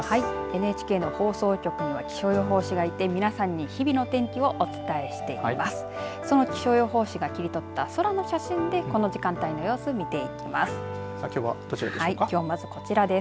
ＮＨＫには気象予報士がいて皆さんに日々の天気をお伝えしています。